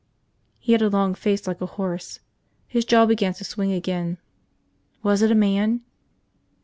He had a long face like a horse. His jaw began to swing again. "Was it a man?"